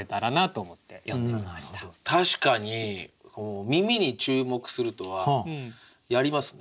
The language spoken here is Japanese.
確かに耳に注目するとはやりますね。